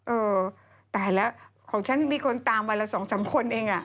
เออตายแล้วของฉันมีคนตามวันละ๒๓คนเองอ่ะ